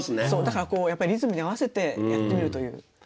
だからやっぱりリズムに合わせてやってみるという。